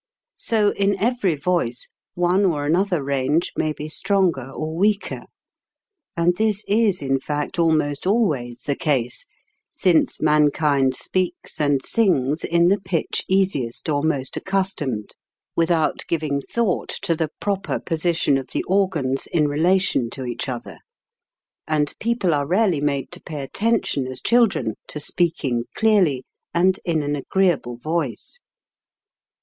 So, in every voice, one or another range may be stronger or weaker; and this is, in fact, almost always the case, since mankind speaks and sings in the pitch easiest or most accus tomed, without giving thought to the proper position of the organs in relation to each other ; and people are rarely made to pay attention as children to speaking clearly and in an agree able voice.